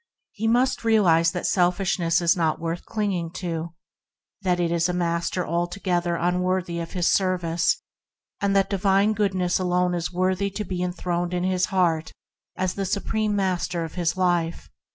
He must realize that selfishness is not worth clinging to, that it is a master altogether unworthy of his service, and that divine Goodness alone is worthy to be enthroned in his heart as the supreme master of his life.